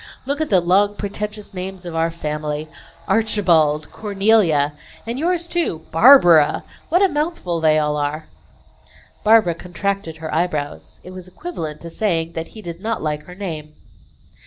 Look at the long, pretentious names of our family Archibald! Cornelia! And yours, too Barbara! What a mouthful they all are!" Barbara contracted her eyebrows. It was equivalent to saying that he did not like her name.